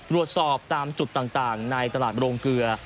ตรวจสอบตามจุดต่างในตลาดโรงเกลือ